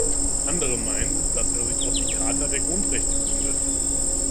Andere meinen, dass er sich auf die Charta der Grundrechte gründet.